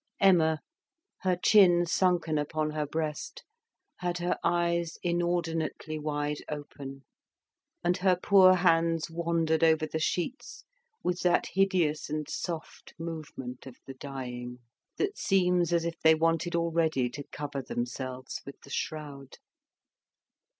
Emma, her chin sunken upon her breast, had her eyes inordinately wide open, and her poor hands wandered over the sheets with that hideous and soft movement of the dying, that seems as if they wanted already to cover themselves with the shroud.